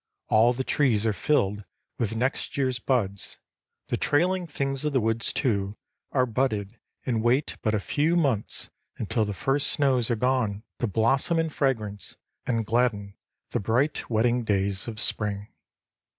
All the trees are filled with next year's buds; the trailing things of the woods, too, are budded and wait but a few months until the first snows are gone to blossom in fragrance and gladden the bright wedding days of Spring.